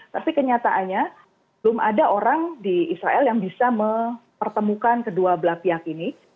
tapi kenyataannya belum ada orang di israel yang bisa mempertemukan kedua belah pihak ini